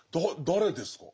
誰ですか？